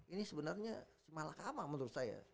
ini sebenarnya malah kamar menurut saya